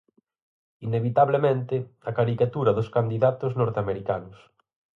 Inevitablemente, a caricatura dos candidatos norteamericanos.